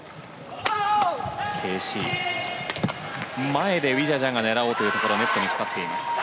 前でウィジャジャが狙おうというところネットにかかりました。